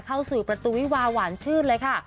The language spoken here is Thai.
เข้าสู่ประตูวิวาหวานชื่นเลยค่ะ